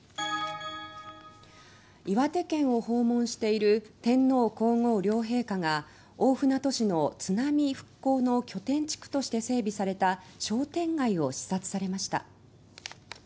岩手県を訪問している天皇皇后両陛下が大船渡市の津波復興の拠点地区として整備された商店街を視察されました。